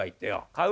買う？